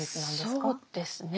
そうですね。